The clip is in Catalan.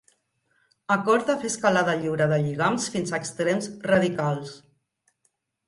Acorda fer escalada lliure de lligams fins a extrems radicals.